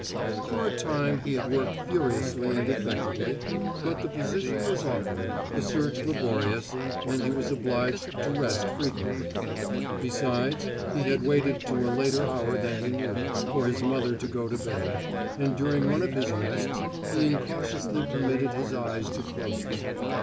For a time he had worked furiously and effectively, but the position was awkward, the search laborious, and he was obliged to rest frequently. Besides, he had waited to a later hour than he knew, for his mother to go to bed, and during one of his rests he incautiously permitted his eyes to close.